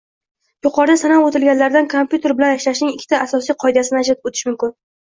Yuqorida sanab o‘tilganlardan kompyuter bilan ishlashning ikta asosiy qoidasini ajratib olish mumkin.